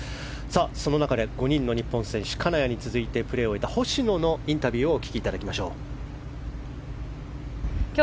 その中で５人の日本選手金谷に続いてプレーを終えた星野のインタビューをお聞きいただきましょう。